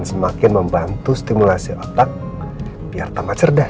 soal jantungnya ascara